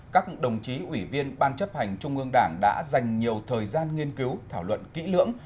các đồng chí ủy viên ban chấp hành trung ương đảng đã dành nhiều thời gian nghiên cứu thảo luận kỹ lưỡng